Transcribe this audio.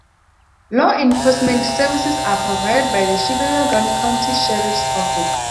Law enforcement services are provided by the Sheboygan County Sheriff's Office.